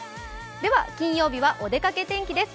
では金曜日はお出かけ天気です。